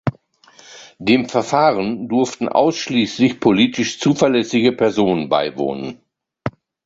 Dem Verfahren durften ausschließlich politisch zuverlässige Personen beiwohnen.